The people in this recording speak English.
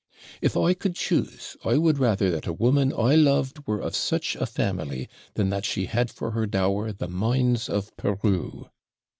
'if I could choose, I would rather that a woman I loved were of such a family than that she had for her dower the mines of Peru.'